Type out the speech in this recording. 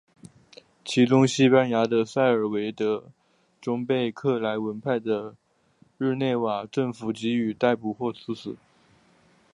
其中西班牙的塞尔维特终被克尔文派的日内瓦政府予以逮捕和处死。